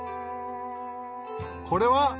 これは？